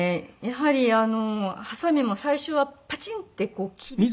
やはりハサミも最初はパチンって切りきる